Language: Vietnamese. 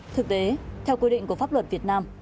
thực tế theo quy định của pháp luật việt nam